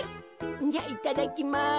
じゃいただきます。